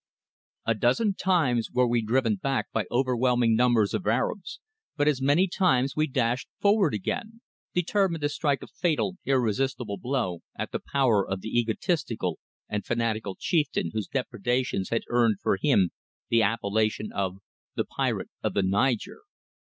A DOZEN times were we driven back by overwhelming numbers of Arabs, but as many times we dashed forward again, determined to strike a fatal, irrisistible blow at the power of the egotistical and fanatical chieftain whose depredations had earned for him the appelation of "The Pirate of the Niger."